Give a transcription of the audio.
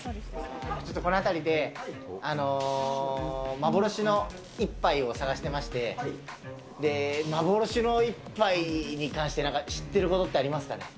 ちょっとこの辺りで、幻の一杯を探してまして、幻の一杯に関してなんか知ってることってありますかね。